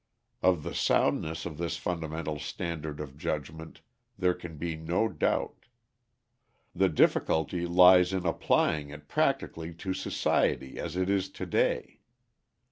Of the soundness of this fundamental standard of judgment there can be no doubt; the difficulty lies in applying it practically to society as it is to day.